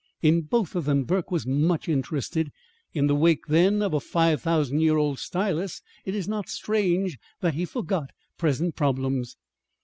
In both of them Burke was much interested. In the wake then of a five thousand year old stylus, it is not strange that he forgot present problems.